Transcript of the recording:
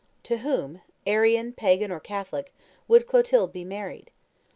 To whom, Arian, pagan, or Catholic, would Clotilde be married?